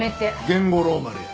源五郎丸や。